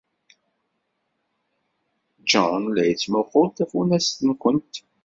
Jean la yettmuqqul tafunast-nwent.